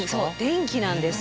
電気なんです。